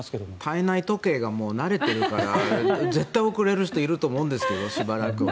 体内時計がもう慣れているから絶対遅れる人いると思うんですけどしばらくは。